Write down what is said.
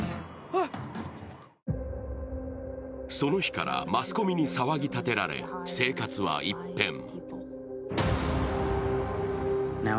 その日からマスコミに騒ぎ立てられ生活は一変。